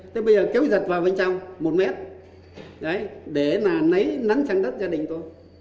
thế bây giờ kéo dật vào bên trong một mét để nấy nắn trăng đất cho đỉnh tôi